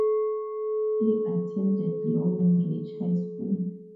He attended Long Reach High School.